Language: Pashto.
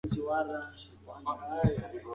کله چې مېوه له ونې را وشلیږي نو باید ژر وکارول شي.